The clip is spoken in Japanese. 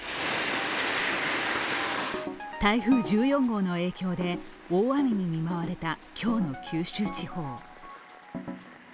台風１４号の影響で、大雨に見舞われた今日の九州地方。